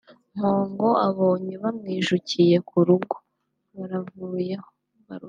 Mpongo abonye bamwijukiye ku rugo (baruvuyeho)